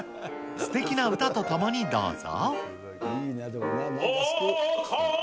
すてきな歌とともにどうぞ。